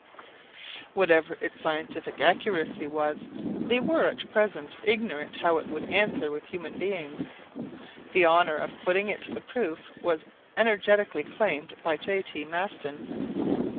Whatever its scientific accuracy was, they were at present ignorant how it would answer with human beings. The honor of putting it to the proof was energetically claimed by J. T. Maston.